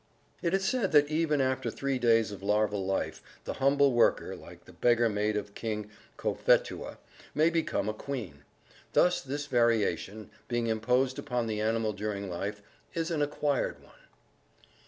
It is said that even after three days of larval life, the humble worker, like the beggar maid of King Cophetua, may become a queen. Thus this variation, being imposed upon the animal during life, is an acquired one.